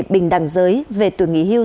bình đẳng giới về tuổi nghỉ hưu